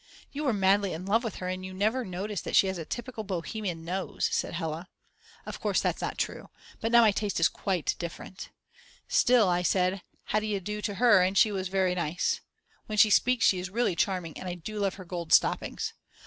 "You were madly in love with her and you never noticed that she has a typical Bohemian nose," said Hella. Of course that's not true, but now my taste is quite different. Still, I said how d'you do to her and she was very nice. When she speaks she is really charming, and I do love her gold stoppings.